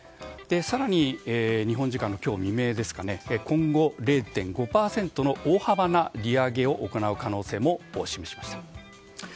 更に、日本時間の今日未明今後、０．５％の大幅な利上げを行う可能性も示しました。